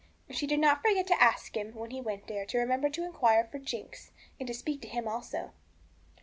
And she did not forget to ask him, when he went there, to remember to inquire for Jinx, and to speak to him also.